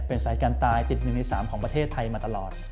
เป็นสายการตายติด๑ใน๓ของประเทศไทยมาตลอด